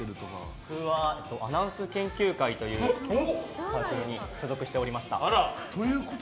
僕はアナウンス研究会という部に所属していました。